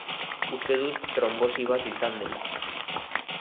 Uste dut tronbosi bat izan dela.